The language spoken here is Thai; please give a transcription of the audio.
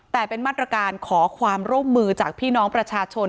แต่เป็นมาตรการขอความร่วมมือจากพี่น้องประชาชน